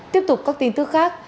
tiếp tục các tin tức khác